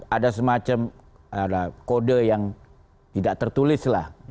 ada semacam kode yang tidak tertulis lah